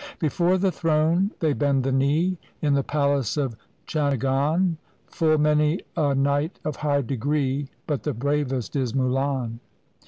Before the throne they bend the knee In the palace of Changan, Full many a knight of high degree. But the bravest is Mulan.